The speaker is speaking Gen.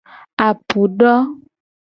Apu do.